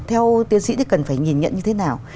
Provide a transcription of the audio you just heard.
theo tiến sĩ thì cần phải nhìn nhận như thế nào